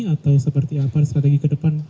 atau seperti apa strategi ke depan